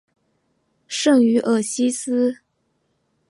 圣于尔西斯。